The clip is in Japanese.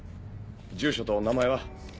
住所と名前は？